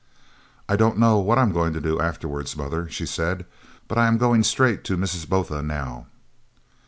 "I don't know what I am going to do afterwards, mother," she said, "but I am going straight to Mrs. Botha now."